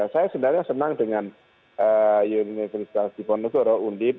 saya sebenarnya senang dengan universitas jibun nusur udip